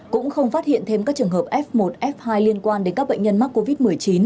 cũng không phát hiện thêm các trường hợp f một f hai liên quan đến các bệnh nhân mắc covid một mươi chín